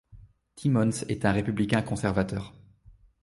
Timmons est un républicain conservateur.